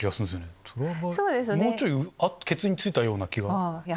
もうちょいケツに付いたような気が。